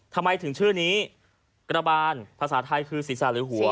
ทำไมถึงชื่อนี้กระบานภาษาไทยคือศีรษะหรือหัว